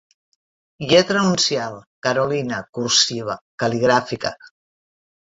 Lletra uncial, carolina, cursiva, cal·ligràfica.